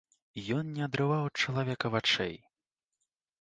Ён не адрываў ад чалавека вачэй.